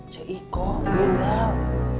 cik iko meninggal